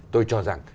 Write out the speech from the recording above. tôi cho rằng